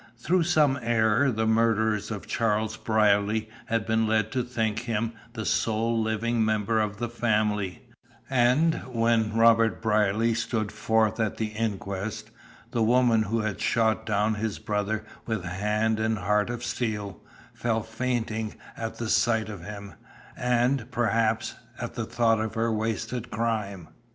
Through some error the murderers of Charles Brierly had been led to think him the sole living member of the family, and when Robert Brierly stood forth at the inquest, the woman who had shot down his brother with hand and heart of steel, fell fainting at the sight of him, and, perhaps, at the thought of her wasted crime.